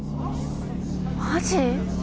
マジ！？